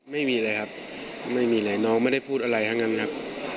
ไม่มีเลยครับไม่มีอะไรน้องไม่ได้พูดอะไรทั้งนั้นครับ